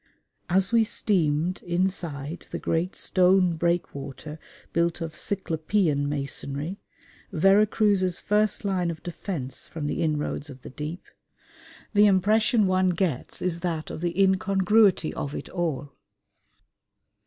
As we steamed inside the great stone breakwater built of cyclopean masonry, Vera Cruz's first line of defence from the inroads of the deep, the impression one gets is that of the incongruity of it all.